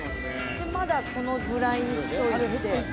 まだこのぐらいにしておいて。